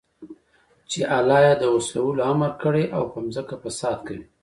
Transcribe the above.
چې الله ئې د وصلَولو امر كړى او په زمكه كي فساد كوي